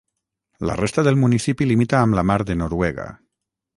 La resta del municipi limita amb la mar de Noruega.